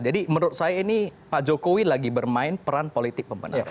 jadi menurut saya ini pak jokowi lagi bermain peran politik pembenaran